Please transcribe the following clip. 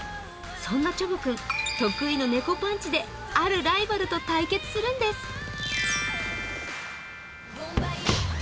そんなちょぼくん、得意の猫パンチであるライバルと対決するんです。